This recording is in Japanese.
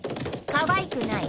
かわいくない。